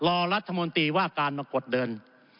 รอรัฐมนตรีว่าการมากดเดิน